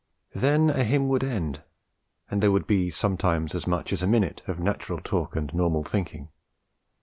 Then a hymn would end, and there would be sometimes as much as a minute of natural talk and normal thinking.